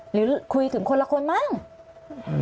หรือคุยถึงคนละคนมั้ง